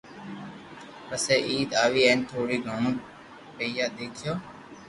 پسي عيد آوي ھين ٿوڙو گھڙو پيھئي دوکيو